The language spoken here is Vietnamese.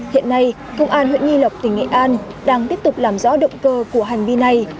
hiện nay công an huyện nghi lộc tỉnh nghệ an đang tiếp tục làm rõ động cơ của hành vi này